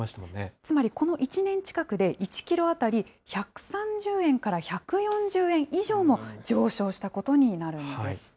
つまりこの１年近くで、１キロ当たり１３０円から１４０円以上も上昇したことになるんです。